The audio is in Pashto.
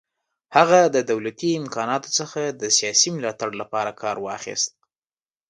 هغه د دولتي امکاناتو څخه د سیاسي ملاتړ لپاره کار واخیست.